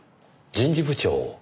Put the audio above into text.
人事部長を。